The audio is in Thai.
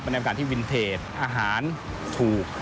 ในบรรยากาศที่วินเทจอาหารถูก